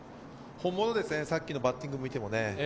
本物ですね、さっきのバッティング見ても。